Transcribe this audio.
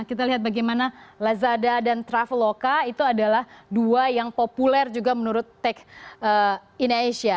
kita lihat bagaimana lazada dan traveloka itu adalah dua yang populer juga menurut tech in asia